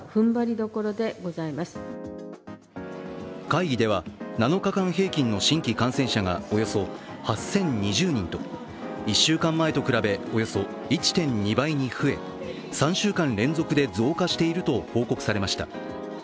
会議では７日間平均の新規感染者がおよそ８０２０人と１週間前と比べ、およそ１．２倍に増え３週間連続で増加していると報告されました。